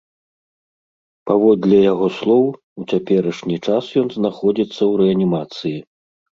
Паводле яго слоў, у цяперашні час ён знаходзіцца ў рэанімацыі.